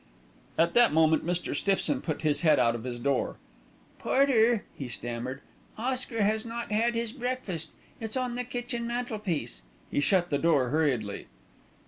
At that moment Mr. Stiffson put his head out of his door. "Porter!" he stammered, "Oscar has not had his breakfast; it's on the kitchen mantelpiece." He shut the door hurriedly.